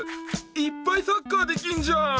いっぱいサッカーできんじゃん！